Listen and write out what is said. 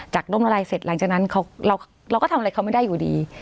ด้มอะไรเสร็จหลังจากนั้นเราก็ทำอะไรเขาไม่ได้อยู่ดี